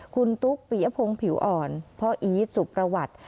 คุณตุ๊กปียพงศ์ผิวอ่อนพ่ออีทสุประวัติ